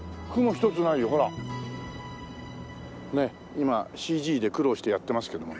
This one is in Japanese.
今ＣＧで苦労してやってますけども。